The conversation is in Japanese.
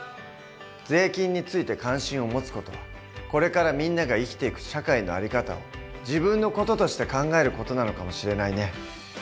税金について関心を持つ事はこれからみんなが生きていく社会の在り方を自分の事として考える事なのかもしれないね。